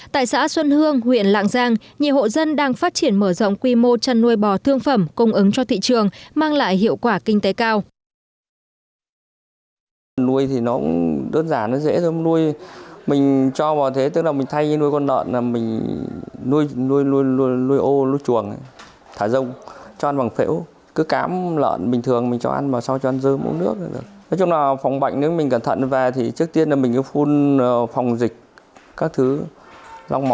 tại xã xuân hương huyện lạng giang nhiều hộ dân đang phát triển mở rộng quy mô chăn nuôi bò thương phẩm công ứng cho thị trường mang lại hiệu quả kinh tế cao